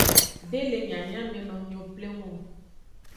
De le nyanyamenomiwo pleng o.